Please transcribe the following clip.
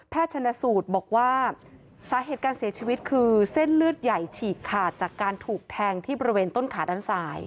ชนะสูตรบอกว่าสาเหตุการเสียชีวิตคือเส้นเลือดใหญ่ฉีกขาดจากการถูกแทงที่บริเวณต้นขาด้านซ้าย